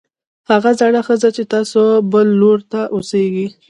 هغه زړه ښځه چې ستاسو بل لور ته اوسېږي